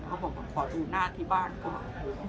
เขาบอกว่าขอดูหน้าที่บ้านก่อน